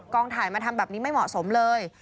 ถ่ายมาทำแบบนี้ไม่เหมาะสมเลย